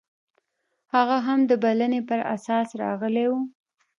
هغه هم د بلنې پر اساس راغلی و.